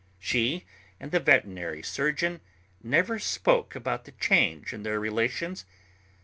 She and the veterinary surgeon never spoke about the change in their relations.